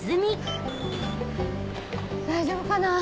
大丈夫かな？